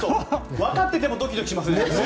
わかっていてもドキドキしますね。